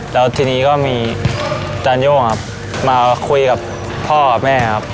แล้วทีนี้ก็มีจานโย่มาคุยกับพ่อและแม่ครับ